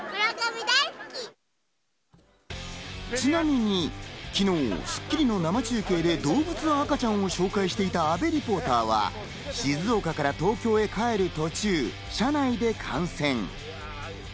ちなみに昨日『スッキリ』の生中継で動物の赤ちゃんを紹介していた阿部リポーターは、静岡から東京へ帰る途中、車内で観戦。